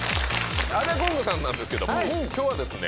アジャコングさんなんですけども今日はですね